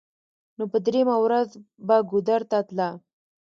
نو په درېمه ورځ به ګودر ته تله.